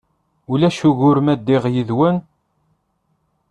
Ulac ugur ma ddiɣ yid-wen?